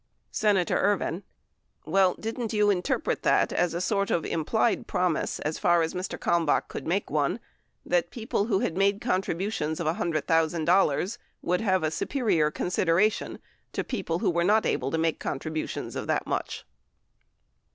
Senator Ervin. Well, didn't you interpret that as a sort of implied promise, as far as Mr. Kalmbach could make one, that people who had made contributions of $100,000 would have a superior consideration to people who were not able to make contributions of that much % 14 13 Hearings 5503.